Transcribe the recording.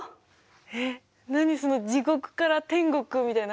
えっ何その地獄から天国みたいな話。